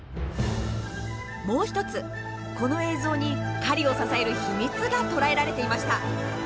もう一つこの映像に狩りを支える秘密が捉えられていました。